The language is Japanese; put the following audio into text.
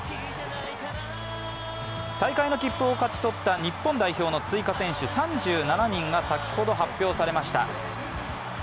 大会の切符を勝ち取った日本代表の追加選手３７人が先ほど、発表されました。